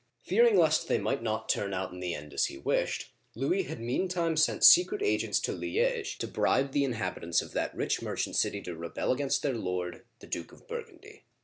Fearing lest they might not turn out in the end as he wished, Louis had meantime sent secret agents to Li6ge (le azh'), to bribe the inhabitants of that rich merchant city to rebel against their lord, the Duke of Burgundy.